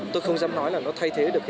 tôi không dám nói là nó thay thế được